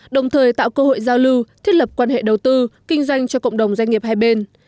đồng thời tạo cơ hội giao lưu thiết lập quan hệ đầu tư kinh doanh cho cộng đồng doanh nghiệp hai bên